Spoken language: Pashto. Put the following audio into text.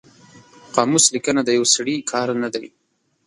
قاموس لیکنه د یو سړي کار نه دی